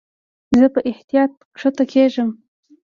زه په احتیاط کښته کېږم.